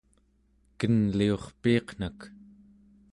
kenliurpiiqnak!